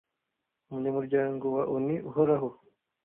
umunyamuryango wa onu uhoraho